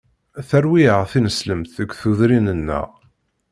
Terwi-aɣ tineslemt deg tudrin-nneɣ.